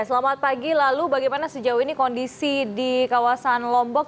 selamat pagi lalu bagaimana sejauh ini kondisi di kawasan lombok